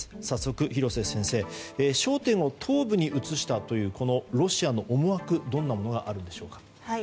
早速、廣瀬先生焦点を東部に移したというこのロシアの思惑どんなものがあるんでしょうか。